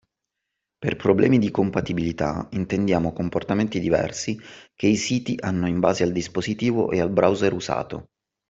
Per problemi di compatibilità intendiamo comportamenti diversi che i siti hanno in base al dispositivo e al browser usato